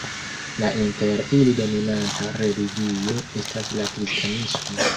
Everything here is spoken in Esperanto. La inter ili dominanta religio estas la kristanismo.